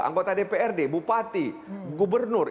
anggota dprd bupati gubernur